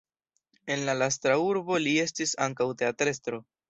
En la lasta urbo li estis ankaŭ teatrestro.